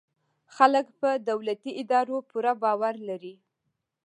خلک په دولتي ادارو پوره باور لري.